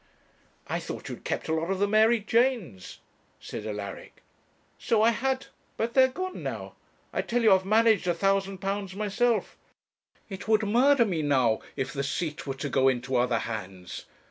'I thought you'd kept a lot of the Mary Janes,' said Alaric. 'So I had, but they're gone now. I tell you I've managed £1,000 myself. It would murder me now if the seat were to go into other hands.